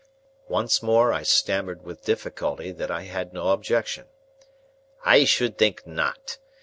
Once more, I stammered with difficulty that I had no objection. "I should think not!